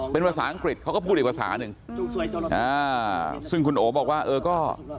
เป็นภาษาอังกฤษเขารู้สะงค์อ้าซึ่งคุณโอฟบอกว่าเออ